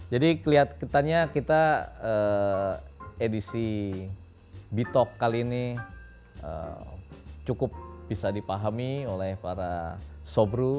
kelihatannya kita edisi bitok kali ini cukup bisa dipahami oleh para sobru